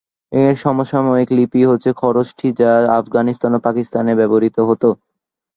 এর সমসাময়িক লিপি হচ্ছে খরোষ্ঠী যা আফগানিস্তান ও পাকিস্তানে ব্যবহৃত হতো।